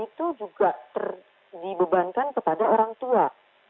itu juga dibebankan kepada orang tua